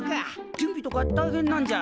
準備とか大変なんじゃろ？